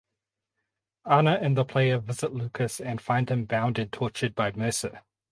Ana and the player visit Lucas and find him bound and tortured by Mercer.